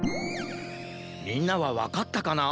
みんなはわかったかな？